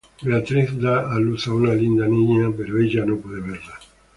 Beatriz da a luz a una linda niña pero ella no puede verla.